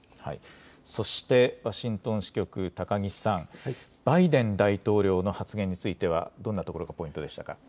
そして、ワシントン支局、高木さん、バイデン大統領の発言についてはどんなところがポイントでしたか。